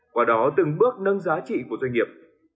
qua đó từng bước nâng giá trị của doanh nghiệp